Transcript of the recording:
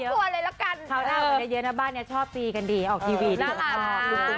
เขาได้ออกก็ได้เยอะนะบ้านนี้ชอบปีกันดีออกทีวีดี